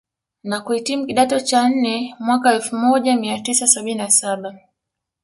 na kuhitimu kidato cha nne mwaka Elfu moja mia tisa sabini na saba